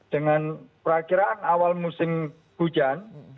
dengan perakiraan awal musim hujan